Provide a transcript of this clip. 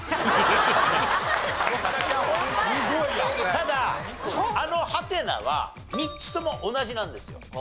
ただあのハテナは３つとも同じなんですよ。